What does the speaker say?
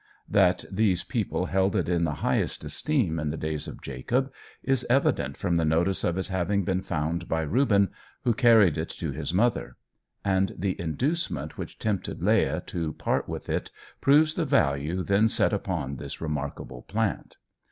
That these people held it in the highest esteem in the days of Jacob is evident from the notice of its having been found by Reuben, who carried it to his mother; and the inducement which tempted Leah to part with it proves the value then set upon this remarkable plant.